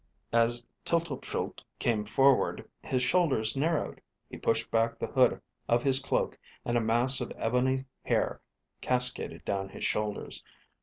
As Tltltrlte came forward, his shoulders narrowed. He pushed back the hood of his cloak and a mass of ebony hair cascaded down his shoulders.